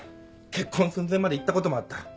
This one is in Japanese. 結婚寸前までいったこともあった。